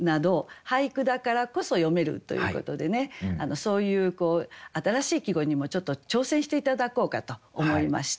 そういう新しい季語にもちょっと挑戦して頂こうかと思いました。